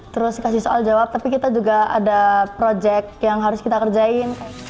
terus kasih soal jawab tapi kita juga ada proyek yang harus kita kerjain